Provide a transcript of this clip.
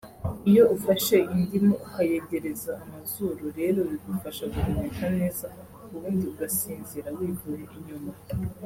iyo ufashe indimu ukayegereza amazuru rero bigufasha guhumeka neza ubundi ugasinzira wivuye inyuma